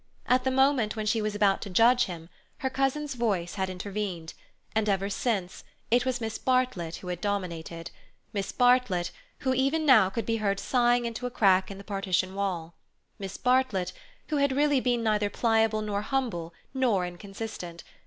At the moment when she was about to judge him her cousin's voice had intervened, and, ever since, it was Miss Bartlett who had dominated; Miss Bartlett who, even now, could be heard sighing into a crack in the partition wall; Miss Bartlett, who had really been neither pliable nor humble nor inconsistent.